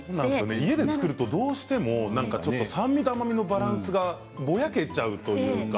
家で作るとどうしても酸味と甘みのバランスがぼやけちゃうというか。